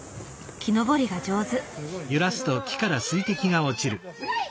木登りが上手。